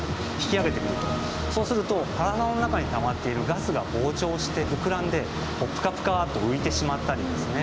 そうすると体の中にたまっているガスが膨張して膨らんでプカプカと浮いてしまったりですね